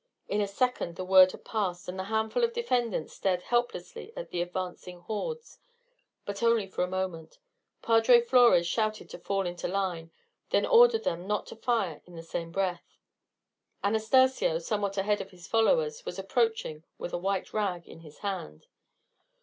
In a second the word had passed, and the handful of defendants stared helplessly at the advancing hordes. But only for a moment. Padre Flores shouted to fall into line, then ordered them not to fire in the same breath. Anastacio, somewhat ahead of his followers, was approaching with a white rag in his hand.